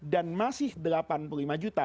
dan masih delapan puluh lima juta